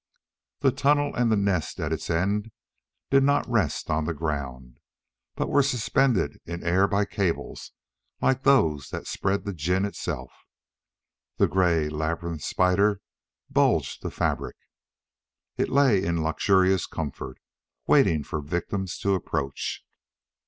The tunnel and the nest at its end did not rest on the ground, but were suspended in air by cables like those that spread the gin itself. The gray labyrinth spider bulged the fabric. It lay in luxurious comfort, waiting for victims to approach.